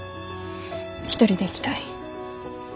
一人で行きたい。